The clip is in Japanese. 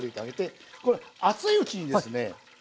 これ熱いうちにですね